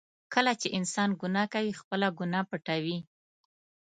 کله چې انسان ګناه کوي، خپله ګناه پټوي.